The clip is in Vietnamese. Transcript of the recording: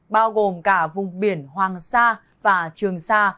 bao gồm cả vùng biển hoàng sa và trường sa